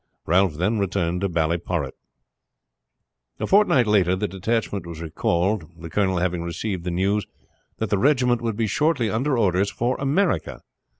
Ralph then returned to Ballyporrit. A fortnight later the detachment was recalled, the colonel having received the news that the regiment would be shortly under orders for America.